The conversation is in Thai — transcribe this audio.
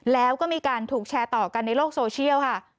แล้วก็มีการถูกแชร์ต่อกันในโลกโซเชียลค่ะ